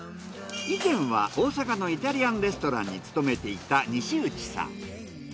以前は大阪のイタリアンレストランに勤めていた西内さん。